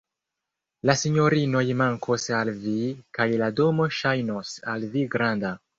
La sinjorinoj mankos al vi, kaj la domo ŝajnos al vi granda.